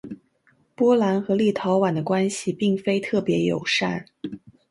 波兰和立陶宛的关系并非特别友善。